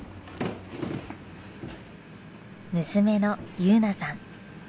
娘の優奈さん。